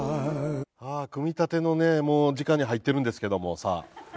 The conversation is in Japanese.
組み立てのねもう時間に入ってるんですけどもさあ。